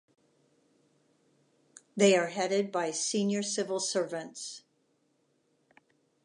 They are headed by senior civil servants.